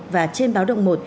và trên báo động một